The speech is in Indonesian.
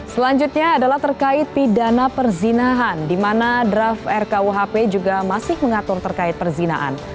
selanjutnya adalah terkait pidana perzinahan di mana draft rkuhp juga masih mengatur terkait perzinaan